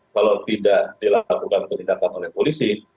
kalau tidak dilakukan penindakan oleh polisi